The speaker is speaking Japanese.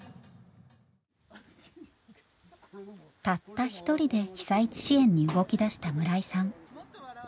たった一人で被災地支援に動きだした村井さん。